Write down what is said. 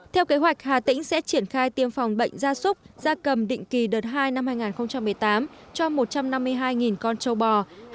theo kế hoạch hà tĩnh sẽ triển khai tiêm phòng bệnh gia súc gia cầm định kỳ đợt hai năm hai nghìn một mươi tám cho một trăm năm mươi hai con châu bò